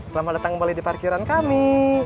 selamat datang kembali di parkiran kami